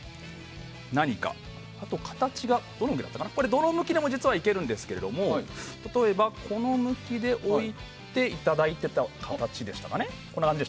どの向きでも実はいけるんですが例えば、この向きで置いていただいてましたかね。